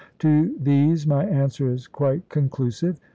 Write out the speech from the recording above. To these my answer is quite conclusive.